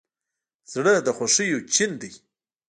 زړه د خوښیو چین دی.